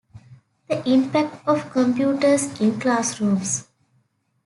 The Impact of Computers in Classrooms.